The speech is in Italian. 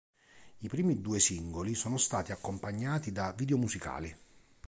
I primi due singoli sono stati accompagnati da video musicali